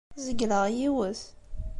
Zegleɣ yiwet.